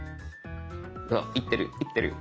いってるいってる。